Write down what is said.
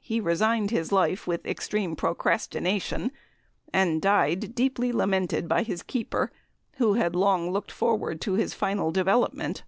He resigned his life with extreme procrastination, and died "deeply lamented" by his keeper, who had long looked forward to his final development.